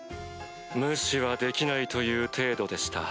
無視はできないという程度でした。